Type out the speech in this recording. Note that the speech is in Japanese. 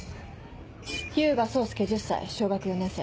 日向聡介１０歳小学４年生。